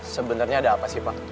sebenarnya ada apa sih pak